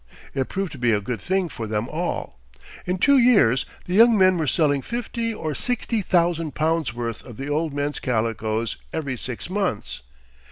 It proved to be a good thing for them all. In two years the young men were selling fifty or sixty thousand pounds' worth of the old men's calicoes every six months.